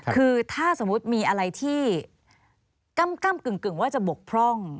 คือถ้าสมมุติมีอะไรที่ก้ำกึ่งว่าจะบกพร่อง